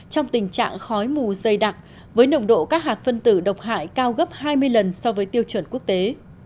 trong tình trạng khói mù dày đặc với nồng độ các hạt phân tử độc hại cao gấp hai mươi lần so với tiêu chuẩn quốc tế